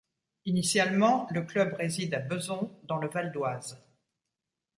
Initialement, le club réside à Bezons dans le Val-d'Oise.